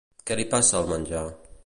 Què li passa al menjar?